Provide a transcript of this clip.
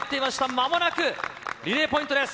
まもなくリレーポイントです。